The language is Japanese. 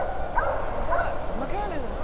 すごい！何？